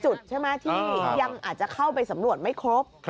จุดใช่ไหมที่ยังอาจจะเข้าไปสำรวจไม่ครบ